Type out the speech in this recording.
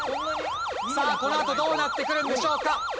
さあこのあとどうなってくるんでしょうか？